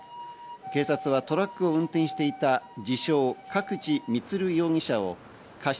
警察はトラックを運転していた自称・角地満容疑者を過失